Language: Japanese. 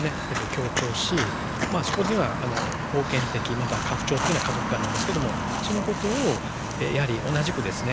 強調しそこには封建的または家父長的な家族観なんですけどもそのことをやはり同じくですね